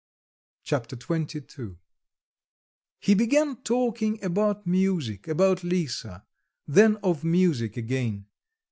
Chapter XXII He began talking about music, about Lisa, then of music again.